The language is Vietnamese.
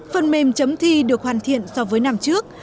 phần mềm chấm thi được hoàn thiện so với năm trước